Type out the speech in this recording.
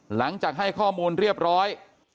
หลังจากให้ข้อมูลเรียบร้อย